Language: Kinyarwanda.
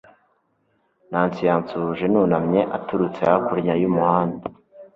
nancy yansuhuje nunamye aturutse hakurya y'umuhanda